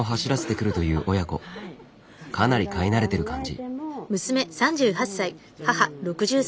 かなり買い慣れてる感じ。